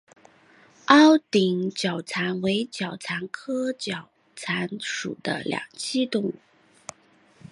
凹顶角蟾为角蟾科角蟾属的两栖动物。